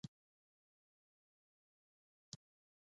آیا دا قانون د پېړیو تجربه نه ده؟